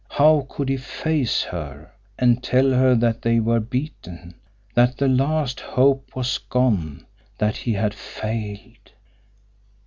How could he face her, and tell her that they were beaten, that the last hope was gone, that he had failed!